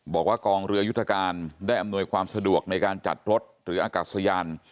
บอกว่ากองเรือยุทธการได้อำนวยความสะดวกในการจัดรถหรืออากาศยาน